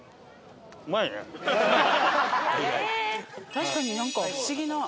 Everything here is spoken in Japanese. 確かに何か不思議な。